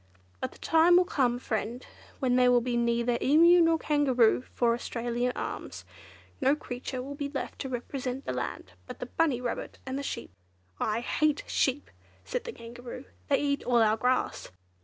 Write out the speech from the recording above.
But the time will come, friend, when there will be neither Emu nor Kangaroo for Australia's Arms; no creature will be left to represent the land but the Bunny Rabbit and the Sheep." "I hate sheep!" said the Kangaroo, "they eat all our grass."